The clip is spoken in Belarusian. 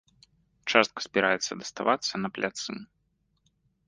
Частка збіраецца даставацца на пляцы.